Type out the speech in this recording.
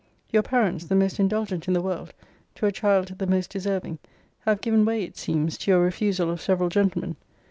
Your parents, the most indulgent in the world, to a child the most deserving, have given way it seems to your refusal of several gentlemen.